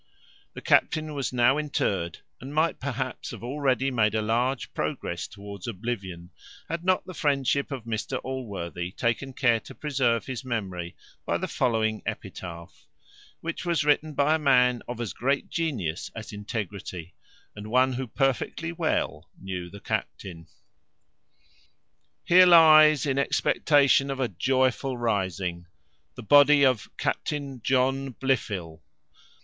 The captain was now interred, and might, perhaps, have already made a large progress towards oblivion, had not the friendship of Mr Allworthy taken care to preserve his memory, by the following epitaph, which was written by a man of as great genius as integrity, and one who perfectly well knew the captain. HERE LIES, IN EXPECTATION OF A JOYFUL RISING, THE BODY OF CAPTAIN JOHN BLIFIL.